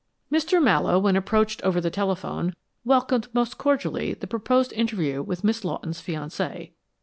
Mr. Mallowe, when approached over the telephone, welcomed most cordially the proposed interview with Miss Lawton's fiancé.